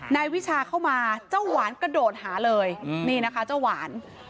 นายวิชาเข้ามาเจ้าหวานกระโดดหาเลยนี่นะคะเจ้าหวาน